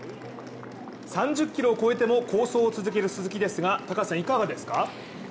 ３０ｋｍを越えても、好走を続ける鈴木ですが、いかがですか？